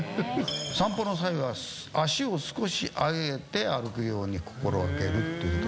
散歩の際は、足を少し上げて歩くように心がけるっていう。